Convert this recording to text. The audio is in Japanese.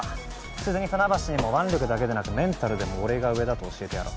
ついでに船橋にも腕力だけでなくメンタルでも俺が上だと教えてやろう。